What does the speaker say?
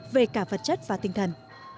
về cả vật chất và tinh thần